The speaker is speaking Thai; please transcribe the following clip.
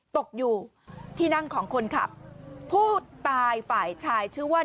ตกอยู่ที่นั่งของคนขับผู้ตายฝ่ายชายชื่อว่า